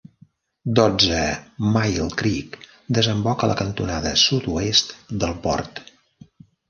Dotze Mile Creek desemboca a la cantonada sud-oest del port.